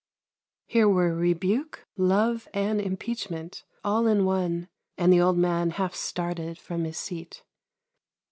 Here were rebuke, love, and impeachment, all in one, and the old man half started from his seat.